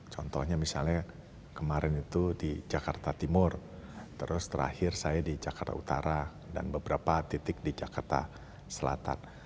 contohnya misalnya kemarin itu di jakarta timur terus terakhir saya di jakarta utara dan beberapa titik di jakarta selatan